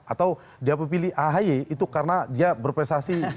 atau dia memilih ahy itu karena dia berprestasi